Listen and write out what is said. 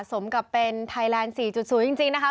สมกับเป็นไทยแลนด์๔๐จริงนะคะ